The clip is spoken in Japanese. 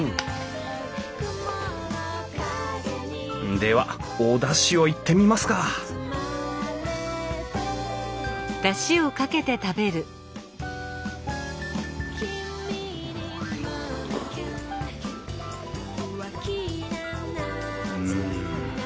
ではおだしをいってみますかうん。